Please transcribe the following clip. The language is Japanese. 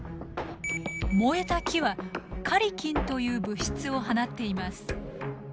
燃えた木はカリキンという物質を放っています。